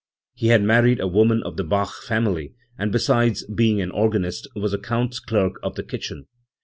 He had married a woman of the Bach family, and besides being an organist was a Count's clerk of the kitchen.